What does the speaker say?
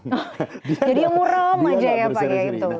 jadi yang muram aja ya pak ya itu